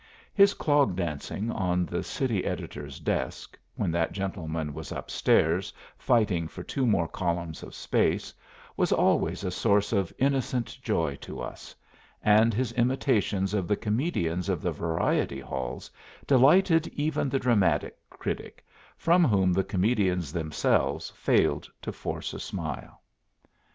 His clog dancing on the city editor's desk, when that gentleman was up stairs fighting for two more columns of space, was always a source of innocent joy to us, and his imitations of the comedians of the variety halls delighted even the dramatic critic, from whom the comedians themselves failed to force a smile.